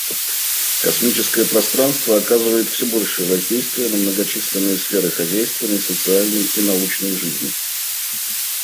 Космическое пространство оказывает все большее воздействие на многочисленные сферы хозяйственной, социальной и научной жизни.